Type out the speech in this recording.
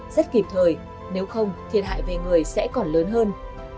rất kịp thời nếu không thiệt hại về người sẽ còn lớn hơn